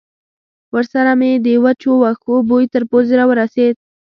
ورسره مې د وچو وښو بوی تر پوزې را ورسېد.